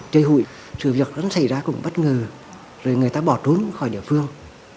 chơi hụi sự việc nó xảy ra cũng bất ngờ rồi người ta bỏ trốn khỏi địa phương